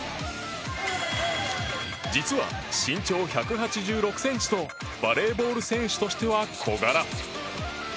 実は身長１８６ｃｍとバレーボール選手としては小柄。